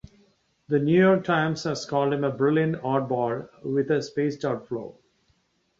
The New York Times has called him A brilliant oddball with a spaced-out flow.